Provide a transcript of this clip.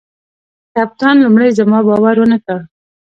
کپتان لومړي زما باور ونه کړ.